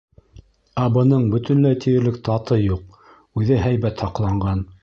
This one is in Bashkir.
Ә бының бөтөнләй тиерлек таты юҡ, үҙе һәйбәт һаҡланған.